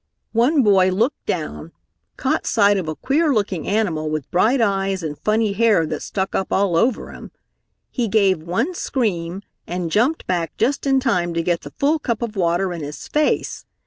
One boy looked down, caught sight of a queer looking animal with bright eyes and funny hair that stuck up all over him. He gave one scream and jumped back just in time to get the full cup of water in his face.